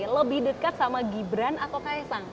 lebih dekat sama gibran atau kaisang